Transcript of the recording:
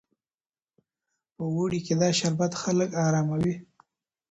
په اوړي کې دا شربت خلک اراموي.